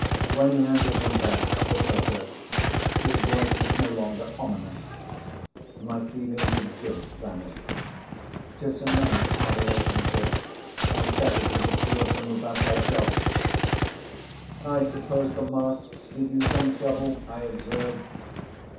When he handed them back a bit later, his voice was no longer ominous. My feelings of guilt vanished. To cement our relationship, I chatted with the two of them about their job. "I suppose the masks give you some trouble," I observed.